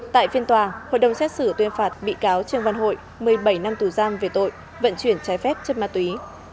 tại phiên tòa hội đồng xét xử tuyên phạt bị cáo trương văn hội một mươi bảy năm tù giam về tội vận chuyển trái phép chất ma túy